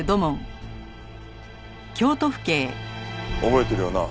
覚えてるよな？